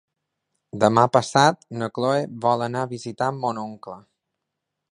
Demà passat na Chloé vol anar a visitar mon oncle.